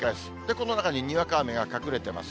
この中ににわか雨が隠れてます。